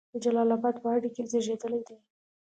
د جلال آباد په هډې کې زیږیدلی دی.